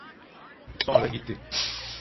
Sonra gitti.